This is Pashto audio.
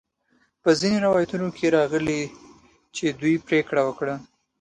په ځینو روایتونو کې راغلي چې دوی پریکړه وکړه.